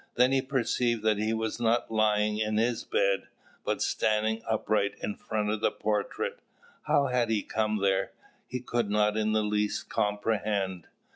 Then he perceived that he was not lying in his bed, but standing upright in front of the portrait. How he had come there, he could not in the least comprehend.